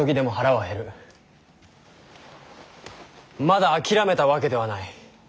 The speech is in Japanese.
まだ諦めたわけではない。